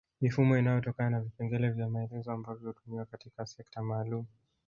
Mifumo inayotokana na vipengele vya maelezo ambavyo hutumiwa katika sekta maalum